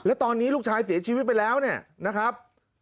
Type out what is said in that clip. แล้วตอนนี้ลูกชายเสียชีวิตไปแล้วเนี่ยนะครับ